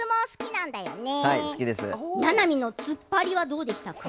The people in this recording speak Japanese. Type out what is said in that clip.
ななみの，つっぱりはどうでしたか。